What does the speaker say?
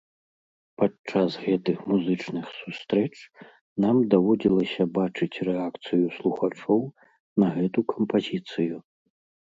Падчас гэтых музычных сустрэч нам даводзілася бачыць рэакцыю слухачоў на гэту кампазіцыю.